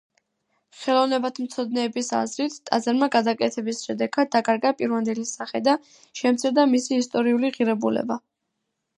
ხელოვნებათმცოდნეების აზრით, ტაძარმა გადაკეთების შედეგად დაკარგა პირვანდელი სახე და შემცირდა მისი ისტორიული ღირებულება.